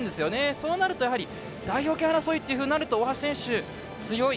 そうなると代表権争いとなると大橋選手強い。